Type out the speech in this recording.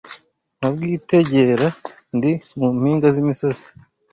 Nkabwitegera ndi mu mpinga z’imisozi: